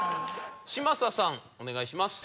嶋佐さんお願いします。